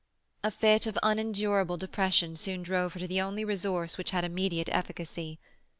A fit of unendurable depression soon drove her to the only resource which had immediate efficacy.